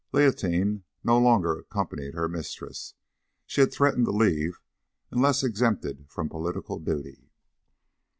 Leontine no longer accompanied her mistress; she had threatened to leave unless exempted from political duty.